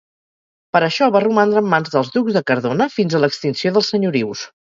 Per això va romandre en mans dels Ducs de Cardona fins a l'extinció dels senyorius.